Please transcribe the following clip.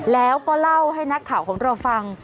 แล้วก็เล่าให้นักข่าวของเราฟัง